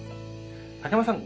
竹山さん